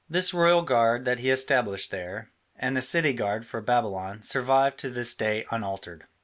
This royal guard that he established there, and the city guard for Babylon, survive to this day unaltered.